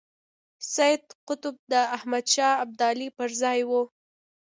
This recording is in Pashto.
سید قطب د احمد شاه ابدالي پر ځای وو.